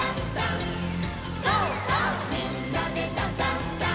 「みんなでダンダンダン」